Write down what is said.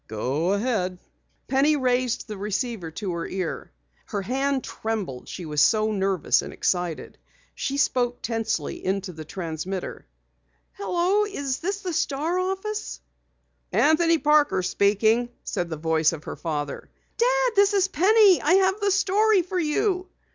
"Go ahead." Penny raised the receiver to her ear. Her hand trembled she was so nervous and excited. She spoke tensely into the transmitter: "Hello, is this the Star office?" "Anthony Parker speaking," said the voice of her father. "Dad, this is Penny! I have the story for you!"